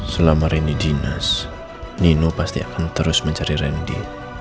selama ini dinas nino pasti akan terus mencari randy